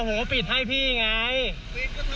โอ้โหผมปิดให้พี่ยังบ่นผมอีกหรือ